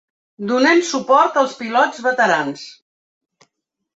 Donem suport als pilots veterans.